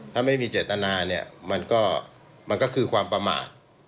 ถ้าไม่มีเจตนาเนี่ยมันก็คือความประมาท